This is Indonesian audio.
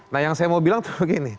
nah yang saya mau bilang tuh begini